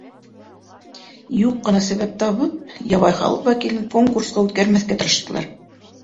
Юҡ ҡына сәбәп табып, ябай халыҡ вәкилен конкурсҡа үткәрмәҫкә тырыштылар.